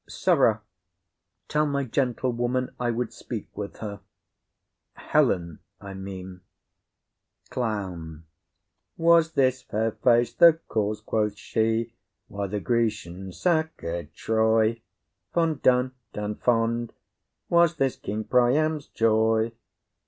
Sirrah, tell my gentlewoman I would speak with her; Helen I mean. CLOWN. _ Was this fair face the cause, quoth she, Why the Grecians sacked Troy? Fond done, done fond, Was this King Priam's joy?